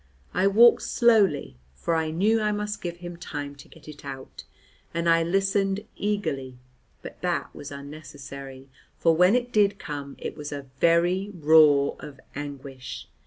I walked slowly, for I knew I must give him time to get it out, and I listened eagerly, but that was unnecessary, for when it did come it was a very roar of anguish.